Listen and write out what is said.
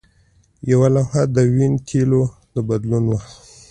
یوه لوحه د وین د تیلو د بدلون وه